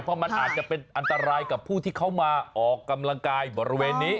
เพราะมันอาจจะเป็นอันตรายกับผู้ที่เขามาออกกำลังกายบริเวณนี้